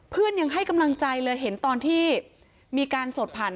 เพื่อนยังให้กำลังใจเลยเห็นตอนที่มีการสดผ่าน